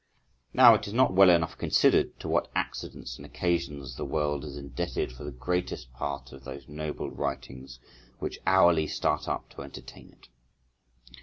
Now it is not well enough considered to what accidents and occasions the world is indebted for the greatest part of those noble writings which hourly start up to entertain it.